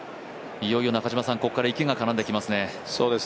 いよいよここから池が絡んできますね。